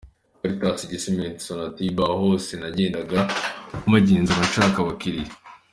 Caritas, Gisimenti, Sonatubes, …aho hose nagendaga mpazenguruka ncaka abakiriya.